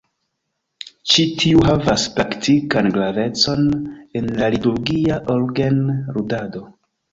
Ĉi tiu havas praktikan gravecon en la liturgia orgenludado.